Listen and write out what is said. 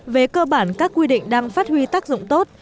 về cơ bản các quy định đang phát huy tác dụng tốt